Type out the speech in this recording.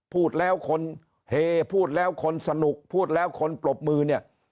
พูดแล้วคนเฮพูดแล้วคนสนุกพูดแล้วคนปรบมือเนี่ย